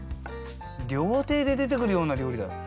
料亭で出てくるような料理だ。